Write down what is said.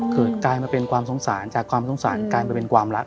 กลายมาเป็นความสงสารจากความสงสารกลายไปเป็นความรัก